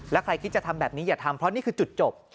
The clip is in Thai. แล้วใครคิดจะทำแบบนี้อย่าทำเพราะนี่คือจุดจบ